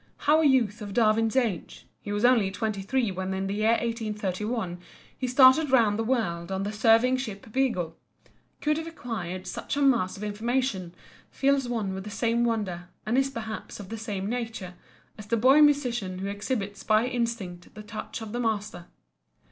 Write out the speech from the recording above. How a youth of Darwin's age—he was only twenty three when in the year 1831 he started round the world on the surveying ship Beagle—could have acquired such a mass of information fills one with the same wonder, and is perhaps of the same nature, as the boy musician who exhibits by instinct the touch of the master.